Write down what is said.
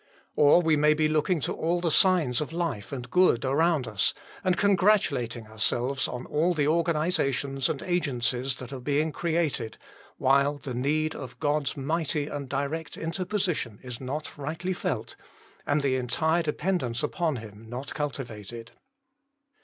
Or we may be looking to all the signs of life and good around us, and congratulating ourselves on all the organisations and agencies that are being created, while the need of God s mighty and direct interposition is not rightly felt, and the entire dependence upon Him not cultivated.